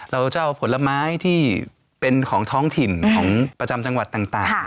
เราจะเอาผลไม้ที่เป็นของท้องถิ่นของประจำจังหวัดต่าง